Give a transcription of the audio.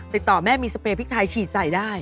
ติดต่อแม่มีสเปรยพริกไทยฉีดใจได้